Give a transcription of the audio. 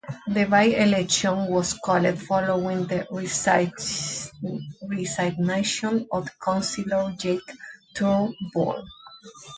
The by-election was called following the resignation of Councillor Jake Turnbull.